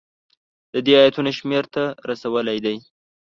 د دې ایتونو شمېر ته رسولی دی.